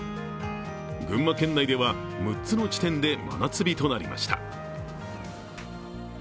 群馬県内では６つの地点で真夏日となりました。